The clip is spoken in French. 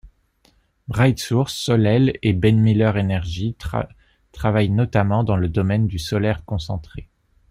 BrightSource, Solel et Brenmiller Energy travaillent notamment dans le domaine du solaire concentré.